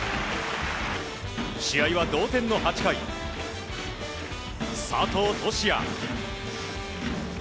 試合は同点の８回、佐藤都志也。